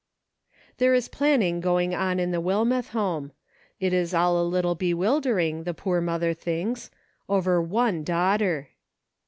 There is planning going on in the Wilmeth home. It is all a little bewildering, the poor mother thinks — her one daughter.